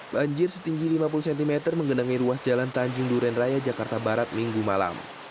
banjir setinggi lima puluh cm menggenangi ruas jalan tanjung duren raya jakarta barat minggu malam